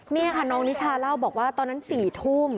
นี่ค่ะน้องนิชาเล่าบอกว่าตอนนั้น๔ทุ่ม